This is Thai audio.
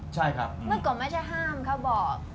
เมื่อก่อนไม่ใช่ห้ามเขาบอก